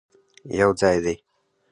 یوځای دې،